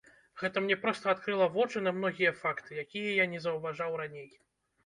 Гэта мне проста адкрыла вочы на многія факты, якія я не заўважаў раней.